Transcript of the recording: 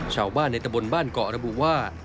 ชาวบ้านในตะบนบ้านเกาะระบุว่า